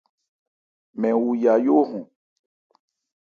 Mɛn wu yayóhɔn.